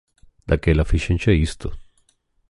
Daquela fíxenche isto.